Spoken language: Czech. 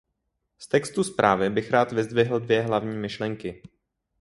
Z textu zprávy bych rád vyzdvihl dvě hlavní myšlenky.